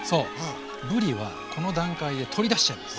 ぶりはこの段階で取り出しちゃいます。